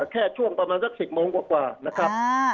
ช่วงประมาณสัก๑๐โมงกว่านะครับ